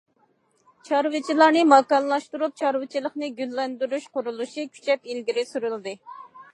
چارۋىچىلارنى ماكانلاشتۇرۇپ، چارۋىچىلىقنى گۈللەندۈرۈش قۇرۇلۇشى كۈچەپ ئىلگىرى سۈرۈلدى.